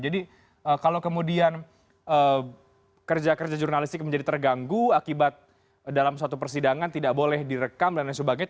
jadi kalau kemudian kerja kerja jurnalistik menjadi terganggu akibat dalam suatu persidangan tidak boleh direkam dan lain sebagainya